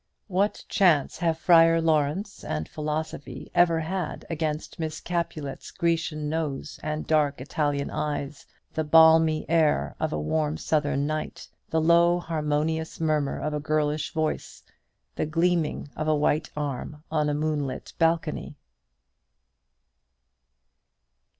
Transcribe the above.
What chance have Friar Lawrence and philosophy ever had against Miss Capulet's Grecian nose and dark Italian eyes, the balmy air of a warm Southern night, the low harmonious murmur of a girlish voice, the gleaming of a white arm on a moonlit balcony?